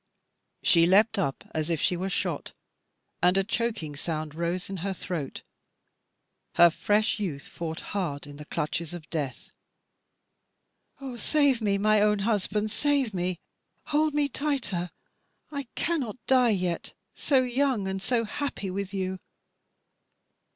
She leaped up as if she were shot, and a choking sound rose in her throat.. Her fresh youth fought hard in the clutches of death. "Oh save me, my own husband, save me. Hold me tighter; I cannot die yet. So young and so happy with you.